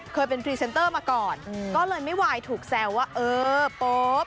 ก็เลยไม่ไหวถูกแสวว่าเออป๊อบ